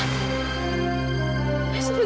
ketanyaan terakhir controller